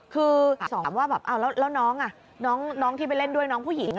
คือฝาบ่อมถามว่าแล้วน้องที่ไปเล่นด้วยน้องผู้หญิง